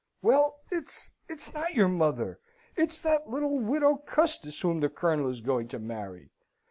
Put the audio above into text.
"Well, it's it's not your mother. It's that little widow Custis whom the Colonel is going to marry.